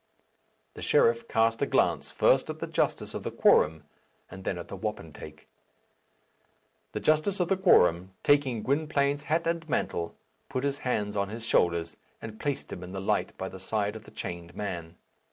The sheriff cast a glance first at the justice of the quorum and then at the wapentake. The justice of the quorum, taking Gwynplaine's hat and mantle, put his hands on his shoulders and placed him in the light by the side of the chained man.